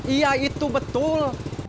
iya itu betul